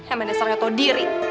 emang nasarnya tau diri